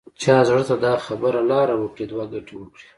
چا زړه ته دا خبره لاره وکړي دوه ګټې وکړي.